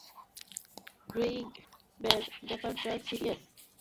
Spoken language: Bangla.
ড্রুইগ ব্যাপারটা সিরিয়াস।